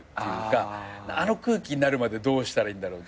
あの空気になるまでどうしたらいいんだろうっていう。